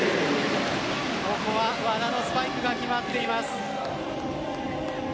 ここは和田のスパイクが決まっています。